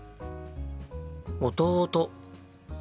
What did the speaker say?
弟。